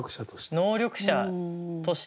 能力者として。